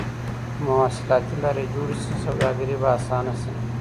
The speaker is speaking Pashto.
که مواصلاتي لاري جوړي سي سوداګري به اسانه سي.